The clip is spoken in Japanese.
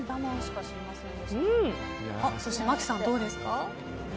そして麻貴さん、どうですか？